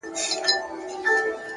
لوړ فکر نوې نړۍ انځوروي؛